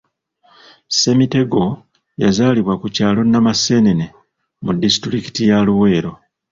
Ssemitego yazaalibwa ku kyalo Namasenene mu disitulikiti ya Luweero